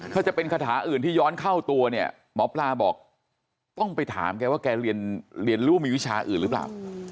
ถ้าจะเป็นคาถาอื่นที่ย้อนเข้าตัวเนี่ยหมอปลาบอกต้องไปถามแกว่าแกเรียนรู้มีวิชาอื่นหรือเปล่า